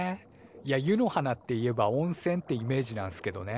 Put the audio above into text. いや湯の花っていえば温泉ってイメージなんすけどね。